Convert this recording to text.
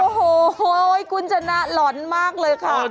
โอ้โหคุณชนะหล่อนมากเลยค่ะ